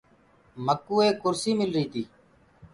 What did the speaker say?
مڪوُ ايڪ ڪُرسي ملري تي۔